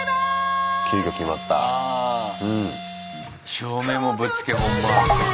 照明もぶっつけ本番。